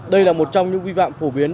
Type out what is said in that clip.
đây là một trong những vi phạm phổ biến